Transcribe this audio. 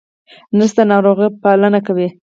نرس د ناروغ پالنه کوي